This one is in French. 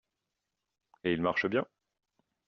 Et il marche bien?